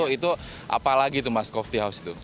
itu apa lagi tuh mas kofti house itu